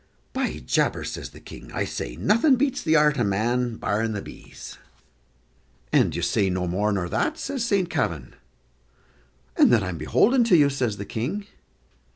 "By Jabers," says the King, "I say nothing beats the art o' man, barring the bees." "And do you say no more nor that?" says Saint Kavin. "And that I'm beholden to you," says the King.